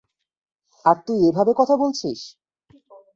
আর তুই এভাবে কথা বলছিস!